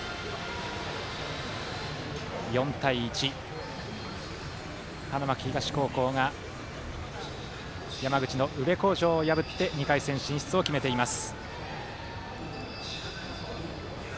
４対１で花巻東高校が山口の宇部鴻城を破って２回戦進出を決めています。